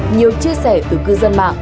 nhiều chia sẻ từ cư dân mạng